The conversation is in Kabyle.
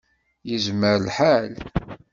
Yezmer lḥal.